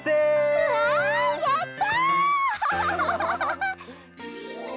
うわやった！